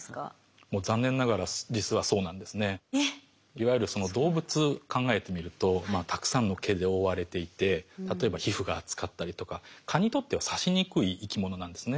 いわゆる動物考えてみるとたくさんの毛で覆われていて例えば皮膚が厚かったりとか蚊にとっては刺しにくい生き物なんですね。